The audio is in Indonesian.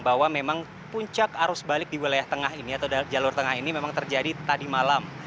bahwa memang puncak arus balik di wilayah tengah ini atau jalur tengah ini memang terjadi tadi malam